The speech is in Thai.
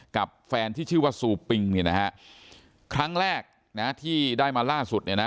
กับแฟนที่ชื่อว่าซูปิงเนี่ยนะฮะครั้งแรกนะที่ได้มาล่าสุดเนี่ยนะ